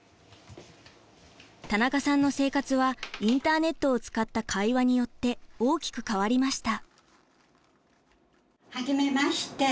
田中さんの生活はインターネットを使った会話によって大きく変わりました。